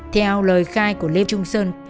theo lời khai của lê trung sơn